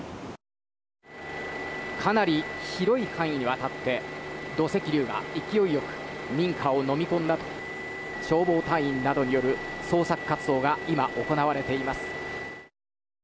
かなり広い範囲にわたって土石流が勢いよく民家を飲み込んだと消防隊員などによる捜索活動が今、行われています。